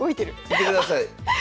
見てください。